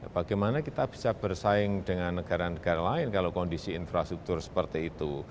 bagaimana kita bisa bersaing dengan negara negara lain kalau kondisi infrastruktur seperti itu